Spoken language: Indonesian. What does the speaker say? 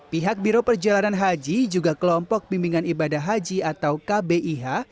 pihak biro perjalanan haji juga kelompok bimbingan ibadah haji atau kbih